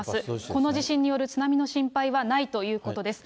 この地震による津波の心配はないということです。